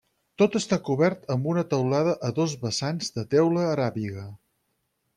Tot està cobert amb una teulada a dos vessants de teula aràbiga.